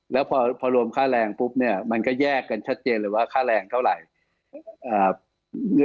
แล้วพอรวมค่าแรงปุ๊บเนี่ยมันก็แยกกันชัดเจนเลยว่าค่าแรงเท่าไหร่